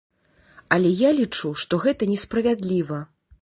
Але я лічу, што гэта несправядліва.